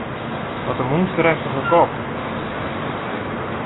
Wat in mûnstereftige kop.